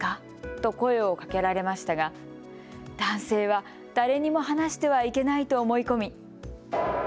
と声をかけられましたが男性は誰にも話してはいけないと思い込み。